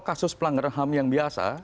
yang ham yang biasa